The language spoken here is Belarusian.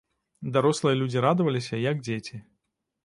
Дарослыя людзі радаваліся, як дзеці.